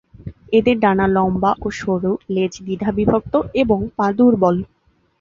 এদের ডানা লম্বা ও সরু, লেজ দ্বিধাবিভক্ত এবং পা দুর্বল।